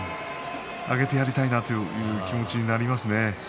上げてやりたいなという気持ちになりますね。